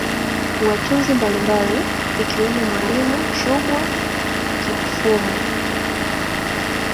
Watunzi mbalimbali akiwemo Mwalimu Chubwa Kipfumu